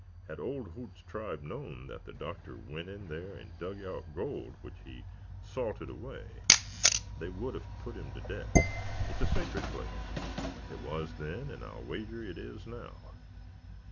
Had Old Hoots' tribe known that the Doctor went in there and dug out gold which he salted away they would have put him to death. It's a sacred place. It was then, and I'll wager it is now.